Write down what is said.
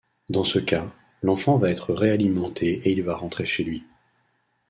Dans ce cas, l’enfant va être réalimenté et il va rentrer chez lui.